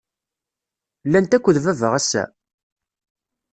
Llant akked baba ass-a?